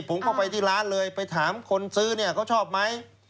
ผมเข้าไปที่ร้านเลยไปถามคนซื้อเนี่ยเขาชอบไหม